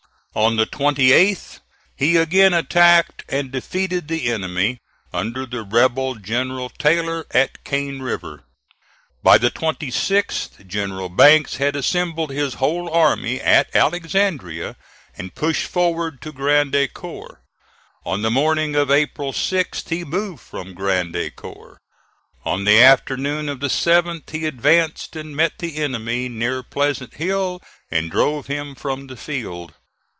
On the 28th, he again attacked and defeated the enemy under the rebel General Taylor, at Cane River. By the 26th, General Banks had assembled his whole army at Alexandria, and pushed forward to Grand Ecore. On the morning of April 6th he moved from Grand Ecore. On the afternoon of the 7th, he advanced and met the enemy near Pleasant Hill, and drove him from the field.